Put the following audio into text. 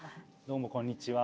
どうもこんにちは。